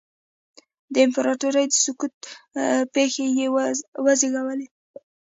د امپراتورۍ د سقوط پېښې یې وزېږولې.